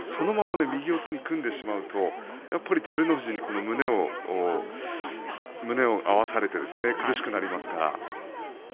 そのまま右四つに組んでしまうと照ノ富士に胸を合わされて苦しくなりますから。